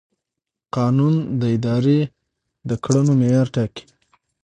قانون د ادارې د کړنو معیار ټاکي.